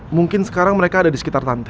mungkin sekarang mereka ada di sekitar tante